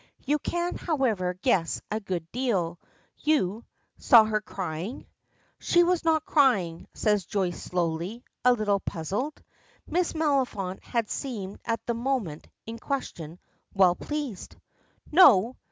You can, however, guess a good deal; you saw her crying?" "She was not crying," says Joyce slowly, a little puzzled. Miss Maliphant had seemed at the moment in question well pleased. "No!